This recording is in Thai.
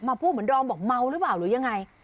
พูดเหมือนดอมบอกเมาหรือเปล่าหรือยังไง